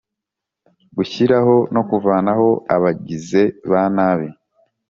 gushyiraho no kuvanaho abagize ba nabi